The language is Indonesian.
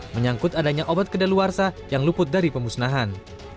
menyangkut adanya obat kedaluarsa yang luput dari pemusnahan